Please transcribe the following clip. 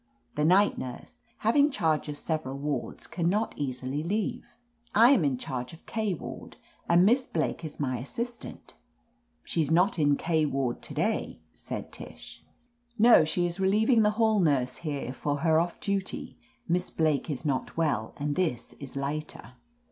The night nurse, having charge of several wards, can not easily leave. I am in charge of K ward, and Miss Blake is my assistant." 'She's not in K ward to day," said Tish. 'No, she is relieving the hall nurse here for 36 ii{ tr ^r :L « «1 OF LETITIA CARBERRY her off duty Miss Blake is not well, and this is lighter."